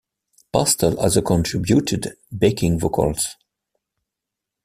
Pastel also contributed backing vocals.